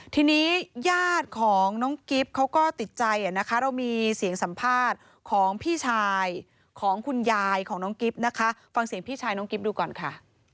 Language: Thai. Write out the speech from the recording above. ทีนี้ญาติของน้องกิฟต์เขาก็ติดใจนะคะเรามีเสียงสัมภาษณ์ของพี่ชายของคุณยายของน้องกิ๊บนะคะฟังเสียงพี่ชายน้องกิ๊บดูก่อนค่ะ